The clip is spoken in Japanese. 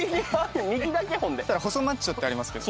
ただ「細マッチョ」ってありますけど。